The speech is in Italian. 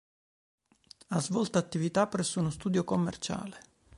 Ha svolto attività presso uno studio commerciale.